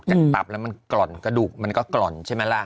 ตับแล้วมันกล่อนกระดูกมันก็กล่อนใช่ไหมล่ะ